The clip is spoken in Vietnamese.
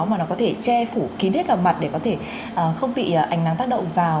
mà nó có thể che phủ kín hết cả mặt để có thể không bị ảnh nắng tác động vào